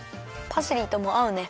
パセリともあうね。